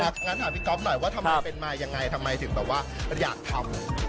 งั้นถามพี่ก๊อฟหน่อยว่าทำไมเป็นมายังไงทำไมถึงแบบว่าอยากทำ